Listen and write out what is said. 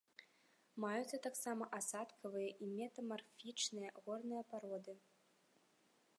Маюцца таксама асадкавыя і метамарфічныя горныя пароды.